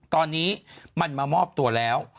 ตอนนี้มันมามอบตัวแล้ว